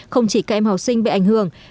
không chỉ các em học sinh bị ảnh hưởng